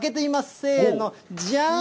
せーの、じゃん！